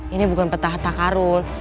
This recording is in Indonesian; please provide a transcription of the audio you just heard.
ini bukan peta harta karun